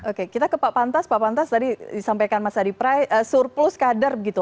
oke kita ke pak pantas pak pantas tadi disampaikan masa depan surplus kader gitu